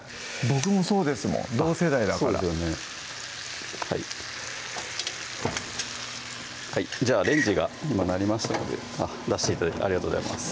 僕もそうですもん同世代だからじゃあレンジが今鳴りましたので出して頂いてありがとうございます